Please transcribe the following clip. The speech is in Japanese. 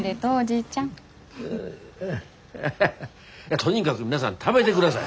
とにかぐ皆さん食べでください。